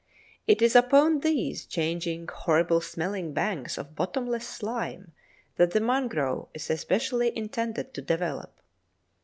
It is upon these changing, horrible smelling banks of bottomless slime that the Mangrove is especially intended to develop.